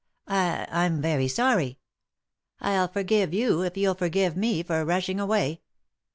"I— I'm very sorry." Til forgive you— if you'll forgive me for rushing away."